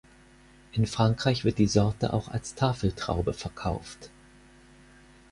In Frankreich wird die Sorte auch als Tafeltraube verkauft.